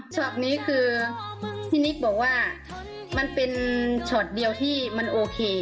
นี้คือพี่นิกบอกว่ามันเป็นช็อตเดียวที่มันโอเค